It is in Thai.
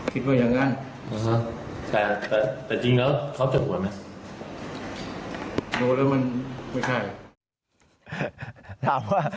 คิดว่าอย่างนั้น